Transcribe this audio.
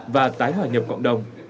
và tái hoàn nhập cộng đồng